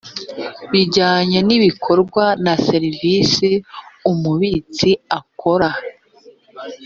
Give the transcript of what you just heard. bijyanye n ibikorwa na serivisi umubitsi akora